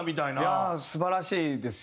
いやあ素晴らしいですよ。